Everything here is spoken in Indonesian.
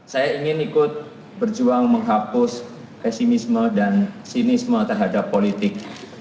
saya ingin ikut berjuang menghapus pesimisme dan sinisme terhadap politik